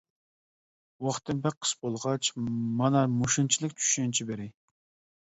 ۋاقتىم بەك قىس بولغاچ، مانا مۇشۇنچىلىك چۈشەنچە بېرەي.